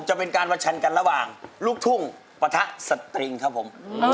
จะเป็นการประชันกันระหว่างลูกทุ่งปะทะสตริงครับผม